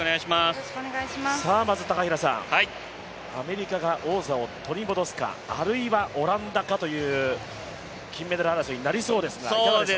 まず高平さん、アメリカが王座を取り戻すか、あるいはオランダかという金メダル争いになりそうですがいかがですか？